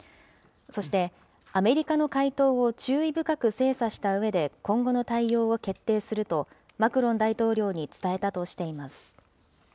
そして、アメリカの回答を注意深く精査したうえで、今後の対応を決定すると、マクロン大統領に伝えたとしています。